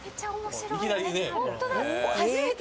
ホントだ。